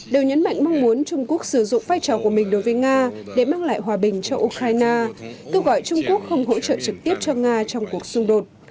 đều nhấn mạnh mong muốn trung quốc sử dụng vai trò của mình đối với nga để mang lại hòa bình cho ukraine kêu gọi trung quốc không hỗ trợ trực tiếp cho nga trong cuộc xung đột